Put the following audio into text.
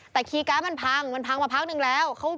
แต่คีย์การ์ดมันพังมันพังมาพักนึงแล้ว